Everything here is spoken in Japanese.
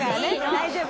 大丈夫。